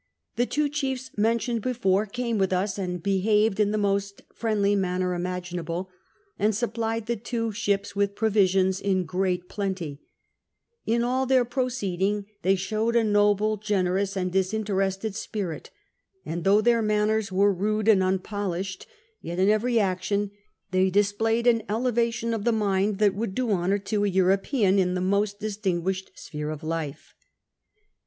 The two chiefs iiieiitioiied before came with us and behaved in the most friendly manner imaginable ; and siqjplied the two ships with provisions in great plenty ; in all their x)roceed ing they showed a noble, generous, and disinterested spirit ; and though their manners were rude and unpolished, yet in every action they displayed an elevation of the mind that would do honour to an European in the most distinguished s])here in life.